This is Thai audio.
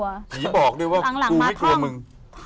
ผีบอกด้วยว่ากูไม่กลัวมึง